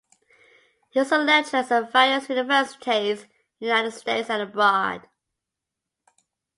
He also lectured at various universities in the United States and abroad.